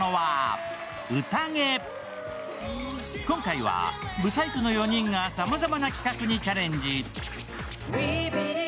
今回は、舞祭組の４人がさまざまな企画にチャレンジ。